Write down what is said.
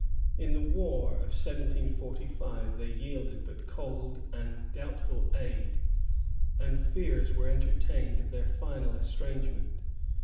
In the war of 1745, they yielded but cold and doubtful aid; and fears were entertained of their final estrangement.